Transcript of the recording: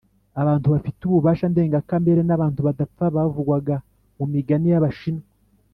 abantu bafite ububasha ndengakamere n’abantu badapfa bavugwaga mu migani y’abashinwa,